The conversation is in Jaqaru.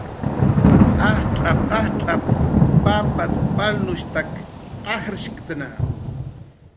"Ajtz'ap"" ajtz'ap"" papas palnushtak ajshktna"